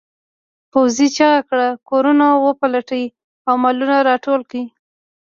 پوځي چیغه کړه کورونه وپلټئ او مالونه راټول کړئ.